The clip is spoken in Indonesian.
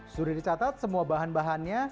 sudah dicatat semua bahan bahannya